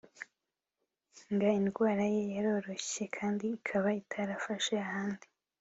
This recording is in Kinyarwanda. nga indwara ye yaroroshye kandi ikaba itarafashe ahandi